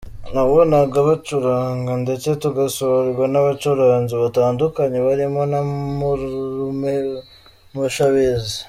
Nabonaga bacuranga ndetse tugasurwa n’abacuranzi batandukanye barimo na marume Mushabizi.